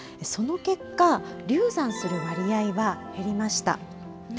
その結果、流産する割合は減りました。